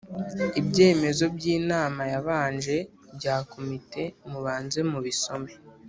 ibyemezo by inama yabanje bya Komite mubanze mubisome